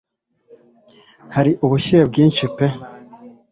hari ubushyuhe bwinshi pe